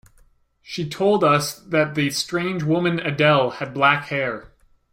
She told us that the strange woman Adele had black hair.